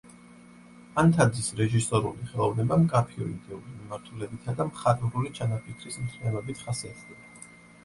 ანთაძის რეჟისორული ხელოვნება მკაფიო იდეური მიმართულებითა და მხატვრული ჩანაფიქრის მთლიანობით ხასიათდება.